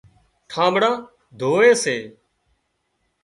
ٺانٻڙان ڌووي سي۔